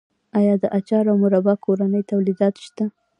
آیا د اچار او مربا کورني تولیدات شته؟